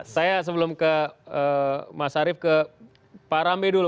saya sebelum ke mas arief ke pak rambe dulu